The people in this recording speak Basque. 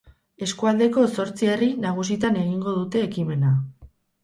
Eskualdeko zortzi herri nagusitan egingo dute ekimena.